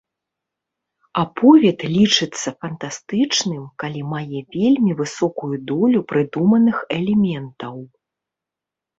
Аповяд лічыцца фантастычным, калі мае вельмі высокую долю прыдуманых элементаў.